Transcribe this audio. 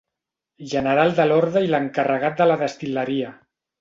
General de l'Orde i l'encarregat de la destil·leria.